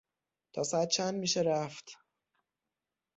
تا ساعت چند میشه رفت؟